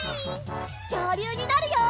きょうりゅうになるよ！